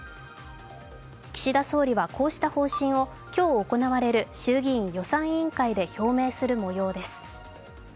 岸田総理はこうした方針を今日行われる衆議院予算委員会で表明する模様です。